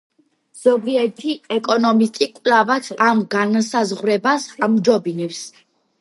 ზოგიერთი ეკონომისტი კვლავაც ამ განსაზღვრებას ამჯობინებს.